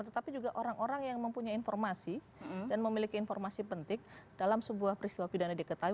tetapi juga orang orang yang mempunyai informasi dan memiliki informasi penting dalam sebuah peristiwa pidana diketahui